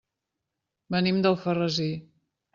Venim d'Alfarrasí.